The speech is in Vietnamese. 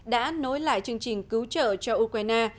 đã nối lại chương trình cứu trợ cho ukraine